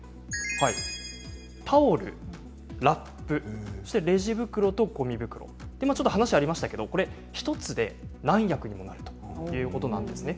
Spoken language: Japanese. タオル、ラップ、レジ袋とごみ袋今、話がありましたけれども１つで何役にもなるということなんです。